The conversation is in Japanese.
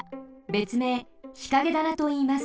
べつめい日陰棚といいます。